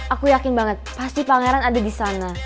aku yakin banget pasti pangeran ada di sana